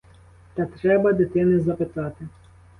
Та треба дитини запитати.